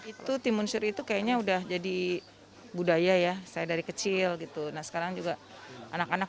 itu timun suri itu kayaknya udah jadi budaya ya saya dari kecil gitu nah sekarang juga anak anak